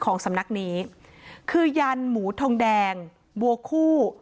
ของสำนักนี้คือยันหมูทองแดงบัวคู่